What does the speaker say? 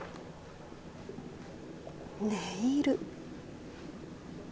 ネイル。